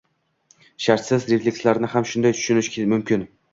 Shartsiz reflekslarni ham shunday tushunish mumkin.